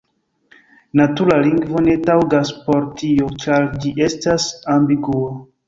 Natura lingvo ne taŭgas por tio, ĉar ĝi estas ambigua.